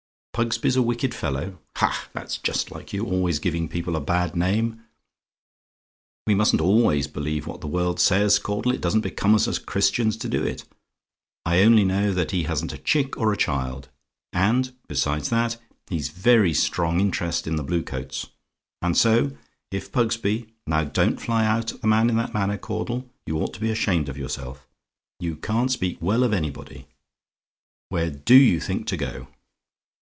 "PUGSBY'S A WICKED FELLOW? "Ha! that's like you always giving people a bad name. We mustn't always believe what the world says, Caudle; it doesn't become us as Christians to do it. I only know that he hasn't chick or child; and, besides that, he's very strong interest in the Blue coats; and so, if Pugsby Now, don't fly out at the man in that manner. Caudle, you ought to be ashamed of yourself! You can't speak well of anybody. Where DO you think to go to?